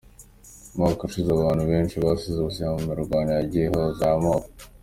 Umwaka ushize abantu benshi basize ubuzima mu mirwano yagiye ihuza ayo moko.